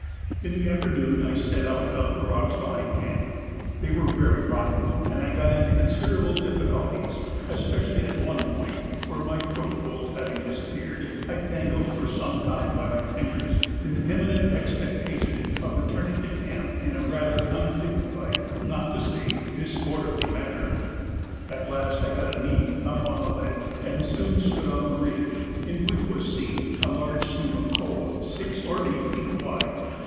In the afternoon I set out up the rocks behind camp; they were very rotten, and I got into considerable difficulties, especially at one point, where, my foothold having disappeared, I dangled for some time by my fingers in imminent expectation of returning to camp in a rather undignified, not to say disorderly, manner. At last I got a knee up to the ledge, and soon stood on the ridge, in which was a large seam of coal, six or eight feet wide.